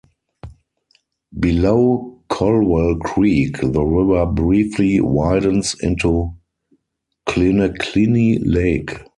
Below Colwell Creek the river briefly widens into Klinaklini Lake.